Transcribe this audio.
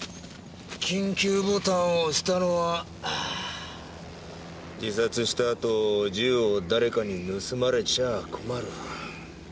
緊急ボタンを押したのは自殺したあと銃を誰かに盗まれちゃあ困る。